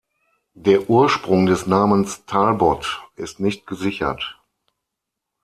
Der Ursprung des Namens "Talbot" ist nicht gesichert.